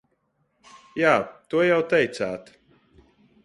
Jā, to jau teicāt.